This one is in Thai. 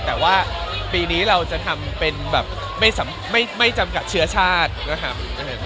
แต่ว่าปีนี้เราจะทำเป็นแบบไม่จำกัดเชื้อชาตินะครับ